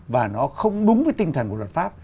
và nó không đúng với tinh thần của luật pháp